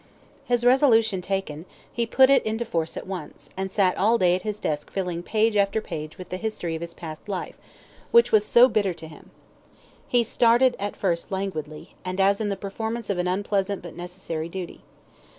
His resolution taken, he put it into force at once, and sat all day at his desk filling page after page with the history of his past life, which was so bitter to him. He started at first languidly, and as in the performance of an unpleasant but necessary duty.